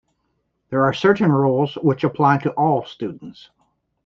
There are certain rules which apply to all students.